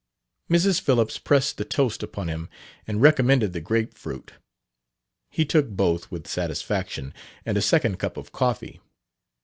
Mrs. Phillips pressed the toast upon him and recommended the grape fruit. He took both with satisfaction, and a second cup of coffee.